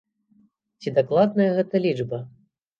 Ці дакладная гэта лічба?